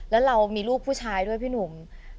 แล้วเรามีลูกผู้ชายด้วยพี่หนุ่ม